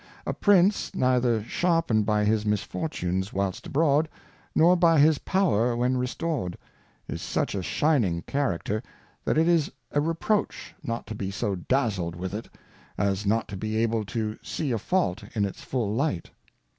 A Prince neither sharpened by his Misfortunes whilst Abroad, nor by his Power when restored, is such a shining Character, that it is a Reproach not to be so dazzled with it, as not to be able to see a Fault in its full Light.